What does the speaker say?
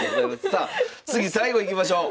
さあ次最後いきましょう。